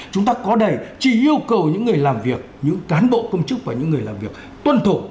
chúng ta có đầy chỉ yêu cầu những người làm việc những cán bộ công chức và những người làm việc tuân thủ